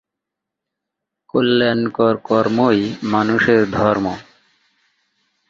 পৃথিবীজুড়ে carbon dioxide গ্যাসের পরিমাণ বৃদ্ধির কারণে গ্লোবাল ওয়ার্মিং বৃদ্ধি পাচ্ছে।